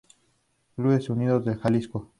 Clubes Unidos de Jalisco.